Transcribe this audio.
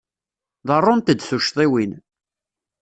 Ḍerrunt-d tuccḍiwin.